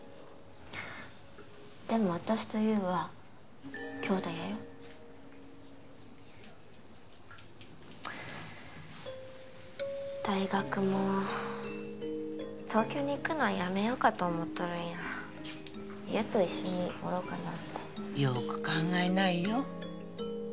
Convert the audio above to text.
でも私と優はきょうだいやよ大学も東京に行くのはやめようかと思っとるんや優と一緒におろうかなってよく考えないよ